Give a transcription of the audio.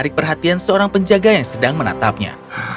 menarik perhatian seorang penjaga yang sedang menatapnya